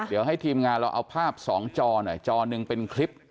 เดี๋ยวให้ทีมงานเราเอาภาพสองจอหน่อยจอหนึ่งเป็นคลิป